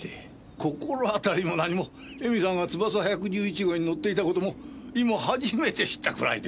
心当たりも何も恵美さんがつばさ１１１号に乗っていたことも今初めて知ったくらいで。